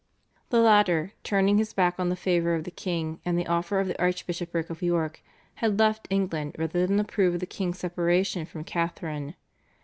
The latter, turning his back on the favour of the king and the offer of the Archbishopric of York, had left England rather than approve of the king's separation from Catharine.